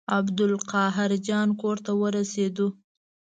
عبدالقاهر جان کور ته ورسېدو.